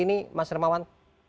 ini mas hermawan